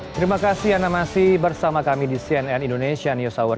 terima kasih anda masih bersama kami di cnn indonesia news hour